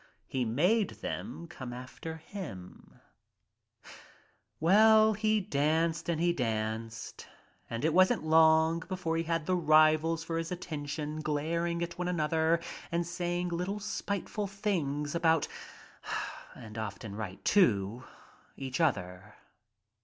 He made them come "Well, he danced and he danced and it wasn't long before he had the rivals for his attentions glar ing at one another and saying little spiteful things about— and often right to — each other.